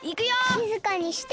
しずかにしてよ！